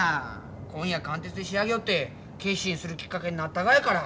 今夜完徹で仕上げようって決心するきっかけになったがやから。